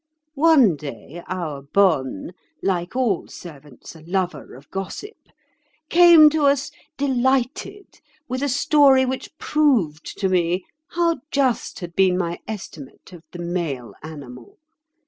One day our bonne—like all servants, a lover of gossip—came to us delighted with a story which proved to me how just had been my estimate of the male animal.